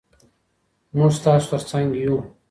موږ ستاسو تر څنګ یو.